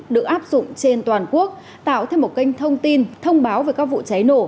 một trăm một mươi bốn được áp dụng trên toàn quốc tạo thêm một kênh thông tin thông báo về các vụ cháy nổ